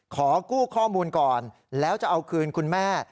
ขอกู้ข้อมูลก่อนแล้วจะเอาคืนคุณแม่